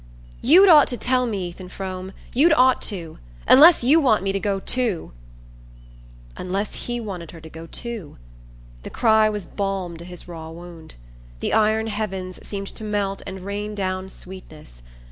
"You'd ought to tell me, Ethan Frome you'd ought to! Unless you want me to go too " Unless he wanted her to go too! The cry was balm to his raw wound. The iron heavens seemed to melt and rain down sweetness.